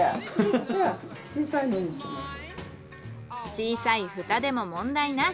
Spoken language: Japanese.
小さい蓋でも問題なし！